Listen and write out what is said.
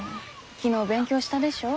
昨日勉強したでしょ？